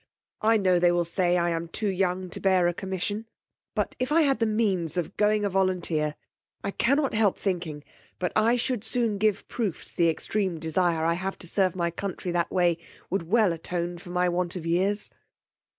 I know they will say I am too young to bear a commission, but if I had the means of going a volunteer, I cannot help thinking but I should soon give proofs the extreme desire I have to serve my country that way would well attone for my want of years.